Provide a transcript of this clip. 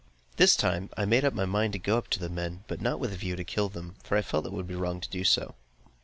This time I made up my mind to go up to the men, but not with a view to kill them, for I felt that it would be wrong to do so.